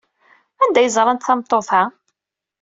Anda ay ẓrant tameṭṭut-a?